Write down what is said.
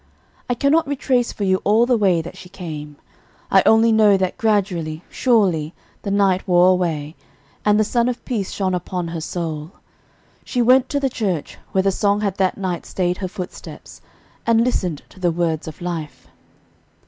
I can not retrace for you all the way that she came. I only know that gradually, surely, the night wore away, and the Sun of peace shone upon her soul. She went to the church, where the song had that night staid her footsteps, and listened to the words of life.